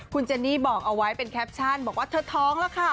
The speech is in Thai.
คุณเจนนี่บอกเอาไว้เป็นแคปชั่นบอกว่าเธอท้องแล้วค่ะ